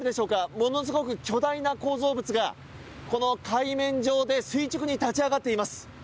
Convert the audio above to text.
ものすごく巨大な構造物がこの海面上で垂直に立ち上がっています。